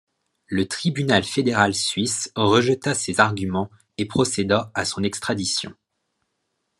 Le Tribunal fédéral suisse rejeta ces arguments et procéda à son extradition.